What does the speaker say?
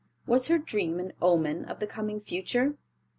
Was her dream an omen of the coming future?